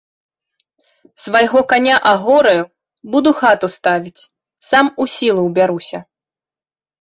Свайго каня агораю, буду хату ставіць, сам у сілу ўбяруся.